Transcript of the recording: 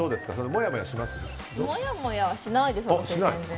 もやもやはしないです、全然。